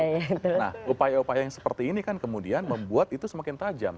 nah upaya upaya yang seperti ini kan kemudian membuat itu semakin tajam